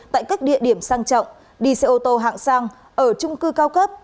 tại các địa điểm sang trọng đi xe ô tô hạng sang ở trung cư cao cấp